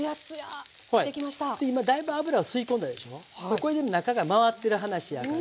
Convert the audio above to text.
これで中が回ってる話やから。